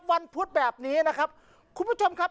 พุธแบบนี้นะครับคุณผู้ชมครับ